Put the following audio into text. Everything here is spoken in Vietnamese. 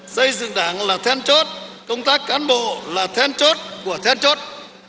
xây dựng đảng là then chốt công tác cán bộ là then chốt của then chốt